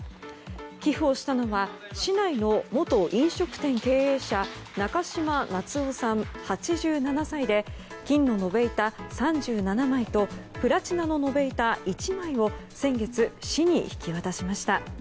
寄付をしたのは市内の元飲食店経営者中嶋夏男さん、８７歳で金の延べ板３７枚とプラチナの延べ板１枚を先月、市に引き渡しました。